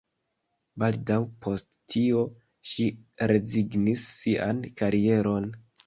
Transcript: Baldaŭ post tio, ŝi rezignis sian karieron.